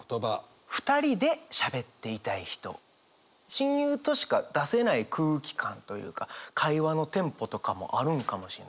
親友としか出せない空気感というか会話のテンポとかもあるんかもしんないです。